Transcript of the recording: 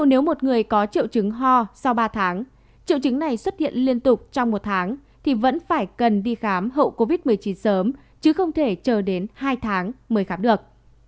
nếu một người có triệu chứng ho sau ba tháng triệu chứng này xuất hiện liên tục trong một tháng thì vẫn phải cần đi khám hậu covid một mươi chín sớm chứ không thể chờ đến hai tháng mới khám được